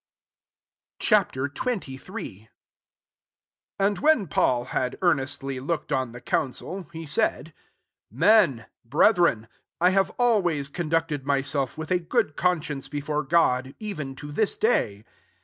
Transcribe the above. Ch. XXIII. 1 And when Paul had earnestly looked on the council, he said, ^^Men, brethren, I have always coo« ducted myself with a good con science before God, ex^en to this day."